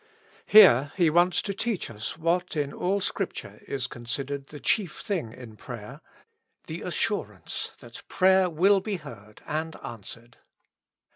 Here He wants to teach us what in all Scripture is consid ered the chief thing in prayer ; the assurance that prayer will be heard and answered.